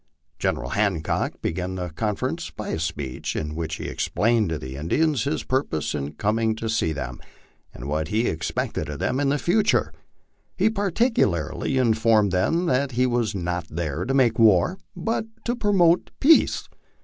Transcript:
General Hancock began the confer ence by a speech, in which he explained to the Indians his purpose in coming to see them, and what he expected of them in the future. He particularly informed them that he was not there to make war, but to promote peace.